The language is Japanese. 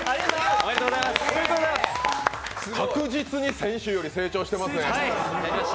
確実に先週より成長していますね。